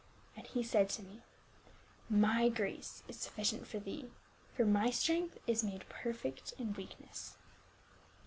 And he said to me, My grace is sufficient for thee ; for my strength is made perfect in weakness."